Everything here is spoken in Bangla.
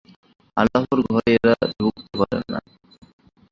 আল্লাহর ঘরে এরা ঢুকতে পারে না।